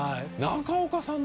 中岡さん